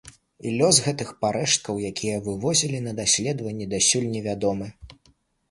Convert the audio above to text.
І лёс гэтых парэшткаў, якія вывозілі на даследаванні, дасюль невядомы.